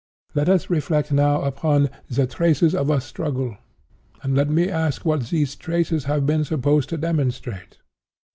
"Let us reflect now upon 'the traces of a struggle;' and let me ask what these traces have been supposed to demonstrate.